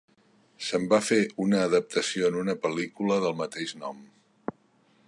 Se'n va fer una adaptació en una pel·lícula del mateix nom.